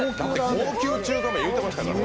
高級中華麺言うてましたからね。